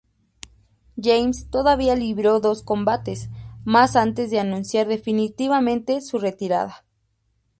James todavía libró dos combates más antes de anunciar definitivamente su retirada.